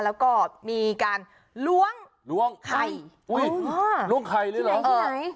แล้วก็มีการล้วงไข่ล้วงไข่เลยเหรอที่ไหนที่ไหน